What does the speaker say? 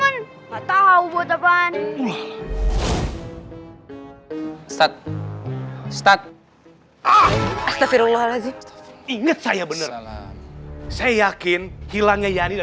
enggak tahu buat apaan ustaz ustaz astagfirullahaladzim inget saya bener saya yakin hilangnya yani dan